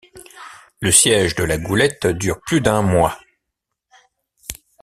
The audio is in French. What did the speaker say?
Le siège de La Goulette dure plus d'un mois.